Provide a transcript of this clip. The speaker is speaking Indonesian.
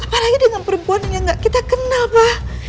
apalagi dengan perempuan yang gak kita kenal pak